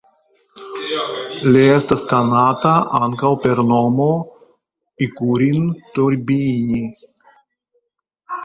Li estas konata ankaŭ per nomo "Ikurin turbiini".